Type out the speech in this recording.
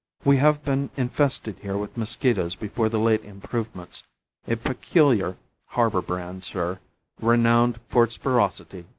We have been infested here with mosquitoes before the late improvements; a peculiar harbour brand, sir, renowned for its ferocity.